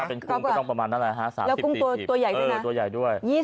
ถ้าเป็นครึ่งก็ต้องประมาณนั้นแหละฮะ๓๐๔๐เออตัวใหญ่ด้วย